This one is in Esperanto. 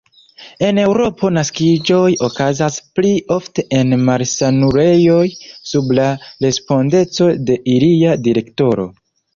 En Eŭropo naskiĝoj okazas pli ofte en malsanulejoj sub la respondeco de ilia direktoro.